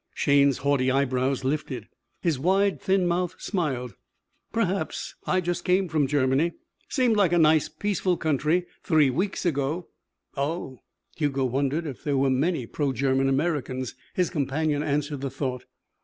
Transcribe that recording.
Shayne's haughty eyebrows lifted. His wide, thin mouth smiled. "Perhaps. I just came from Germany. Seemed like a nice, peaceful country three weeks ago." "Oh." Hugo wondered if there were many pro German Americans. His companion answered the thought.